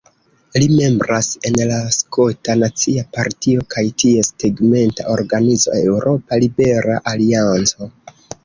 Li membras en la Skota Nacia Partio kaj ties tegmenta organizo Eŭropa Libera Alianco.